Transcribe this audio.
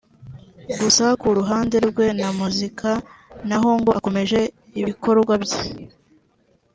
gusa ku ruhande rwe na muzika naho ngo akomeje ibikorwa bye